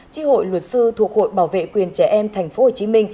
tri hội luật sư thuộc hội bảo vệ quyền trẻ em tp hcm